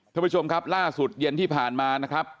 ท่านผู้ชมครับล่าสุดเย็นที่ผ่านมานะครับ